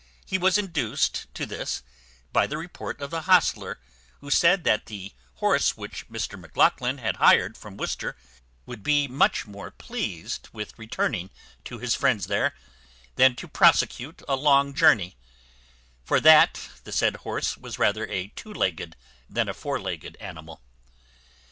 He was induced to this by the report of the hostler, who said that the horse which Mr Maclachlan had hired from Worcester would be much more pleased with returning to his friends there than to prosecute a long journey; for that the said horse was rather a two legged than a four legged animal.